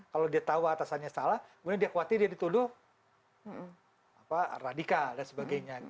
kalau dia tahu atasannya salah kemudian dia khawatir dia dituduh radikal dan sebagainya